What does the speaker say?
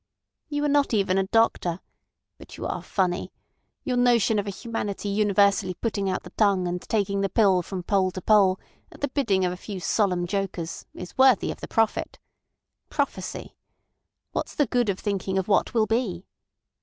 "You are not even a doctor. But you are funny. Your notion of a humanity universally putting out the tongue and taking the pill from pole to pole at the bidding of a few solemn jokers is worthy of the prophet. Prophecy! What's the good of thinking of what will be!"